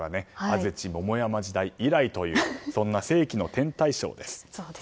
安土桃山時代以来というそんな世紀の天体ショーです。